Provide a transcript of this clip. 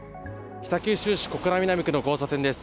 北九州市小倉南区の交差点です。